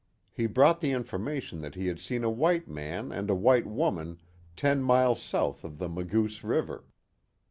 He brought the information that he had seen a white man and a white woman ten miles south of the Maguse River.